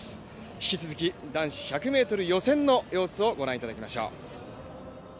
引き続き男子１００ｍ予選の様子をご覧いただきましょう。